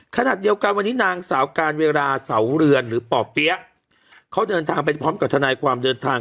ขณะเดียวกันวันนี้นางสาวการเวลาเสาเรือนหรือป่อเปี๊ยะเขาเดินทางไปพร้อมกับทนายความเดินทาง